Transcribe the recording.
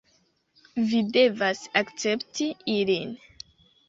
Vi devas akcepti ilin